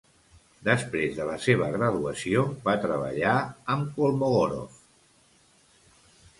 Després de la seva graduació, va treballar amb Kolmogorov.